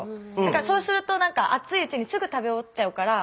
そうするとなんか熱いうちにすぐ食べ終わっちゃうから。